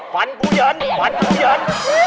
ฝันกูเยินฝันกูเยิน